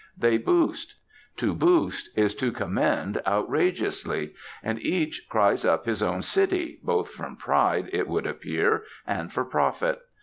They boost. To boost is to commend outrageously. And each cries up his own city, both from pride, it would appear, and for profit.